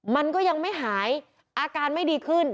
มันก็ยังไม่หายอาการไม่ดีขึ้น